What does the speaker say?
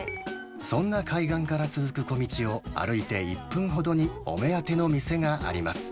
そんな海岸から続く小道を歩いて１分ほどに、お目当ての店があります。